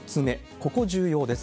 ここ、重要です。